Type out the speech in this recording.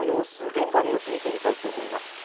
現在の様子を見てみたいと思います。